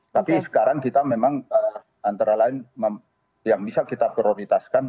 tapi sekarang kita memang antara lain yang bisa kita prioritaskan